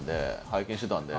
拝見してたんで。